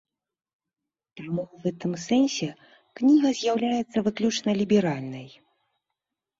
Таму ў гэтым сэнсе кніга з'яўляецца выключна ліберальнай.